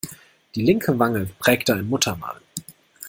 Die linke Wange prägte ein Muttermal.